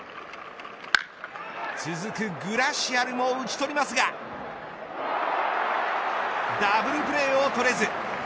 続くグラシアルも打ち取りますがダブルプレーを取れず。